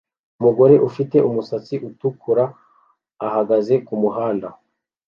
Umugore ufite umusatsi utukura-uhagaze kumuhanda